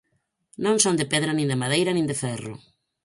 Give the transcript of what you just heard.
Non son de pedra nin de madeira nin de ferro.